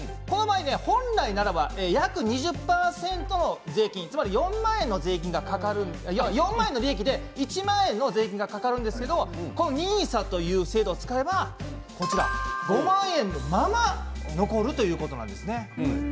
本来ならば約２０％が税金４万円の利益で１万円の税金がかかるんですけれどもＮＩＳＡという制度を使えば５万円のまま残るということなんですね。